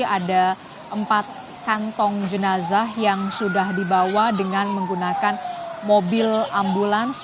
ada empat kantong jenazah yang sudah dibawa dengan menggunakan mobil ambulans